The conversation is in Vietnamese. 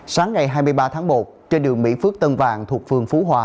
sáng ngày hai mươi ba tháng một trên đường mỹ phước tân vàng thuộc phường phú hòa